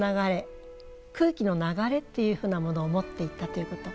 空気の流れっていうふうなものを持っていったということ。